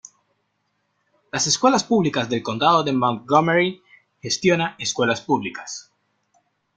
Las Escuelas Públicas del Condado de Montgomery gestiona escuelas públicas.